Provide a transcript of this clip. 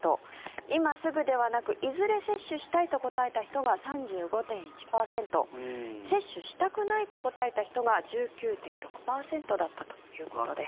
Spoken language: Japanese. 今すぐではなくいずれ接種したいと答えた人が３５．１％接種したくないと答えた人が１９．６％だったということです。